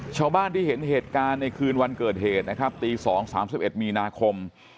ชาวบ้านที่เห็นเหตุการณ์ในคืนวันเกิดเหตุนะครับตี๒๓๑มีนาคม